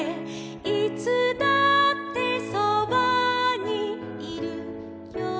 「いつだってそばにいるよ」